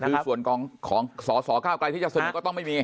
คือส่วนของสสเก้าไกลที่จะเสนอก็ต้องไม่มี